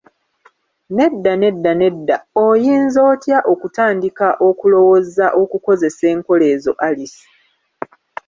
Nedda, nedda, nedda, oyinza otya okutandika okulowooza okukozesa enkola ezo Alice?